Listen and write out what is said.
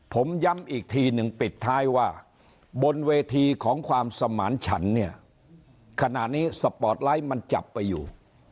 ผมย้ำอีกทีหนึ่งปิดท้ายว่าบนเวทีของความสมานฉันเนี่ยขณะนี้สปอร์ตไลท์มันจับไปอยู่